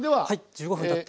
１５分たって。